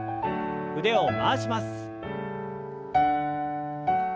腕を回します。